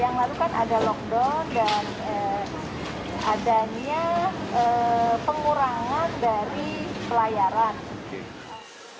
yang lalu kan ada lockdown dan adanya pengurangan dari pelayaran